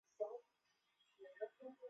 张时彻人。